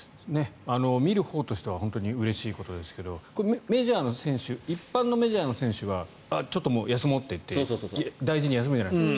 見るほうとしては本当にうれしいことですけど一般のメジャーの選手はちょっと休もうって大事に休むじゃないですか。